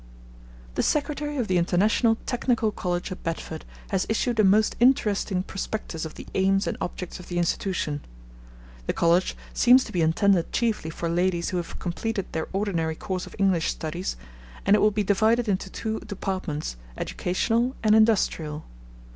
The Secretary of the International Technical College at Bedford has issued a most interesting prospectus of the aims and objects of the Institution. The College seems to be intended chiefly for ladies who have completed their ordinary course of English studies, and it will be divided into two departments, Educational and Industrial.